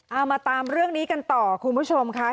เอามาตามเรื่องนี้กันต่อคุณผู้ชมค่ะ